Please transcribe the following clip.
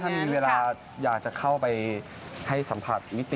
ถ้ามีเวลาอยากจะเข้าไปให้สัมผัสมิติ